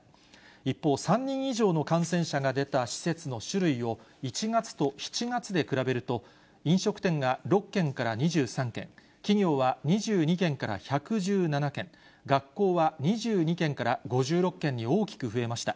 一方、３人以上の感染者が出た施設の種類を、１月と７月で比べると、飲食店が６件から２３件、企業は２２件から１１７件、学校は２２件から５６件に大きく増えました。